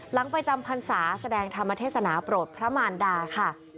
ไปจำพรรษาแสดงธรรมเทศนาโปรดพระมารดาค่ะ